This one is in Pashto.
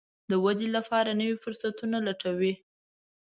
د ودې لپاره نوي فرصتونه لټوي.